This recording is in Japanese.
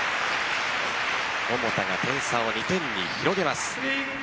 桃田が点差を２点に広げます。